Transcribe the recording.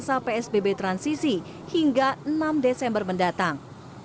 masa psbb transisi hingga enam desember mendatang